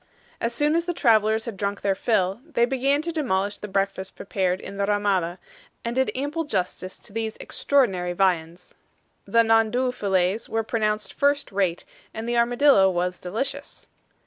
As soon as the travelers had drunk their fill, they began to demolish the breakfast prepared in the RAMADA, and did ample justice to the extraordinary viands. The NANDOU fillets were pronounced first rate, and the armadillo was delicious.